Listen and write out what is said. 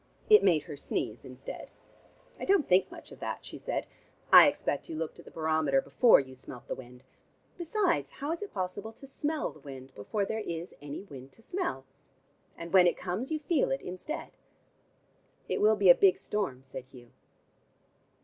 It made her sneeze instead. "I don't think much of that," she said. "I expect you looked at the barometer before you smelt the wind. Besides, how is it possible to smell the wind before there is any wind to smell? And when it comes you feel it instead." "It will be a big storm," said Hugh.